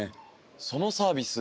そのサービス